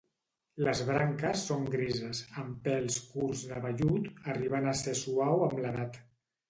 Les branques són grises, amb pèls curts de vellut, arribant a ser suau amb l'edat.